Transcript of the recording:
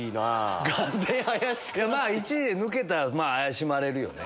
１位で抜けたら怪しまれるよね。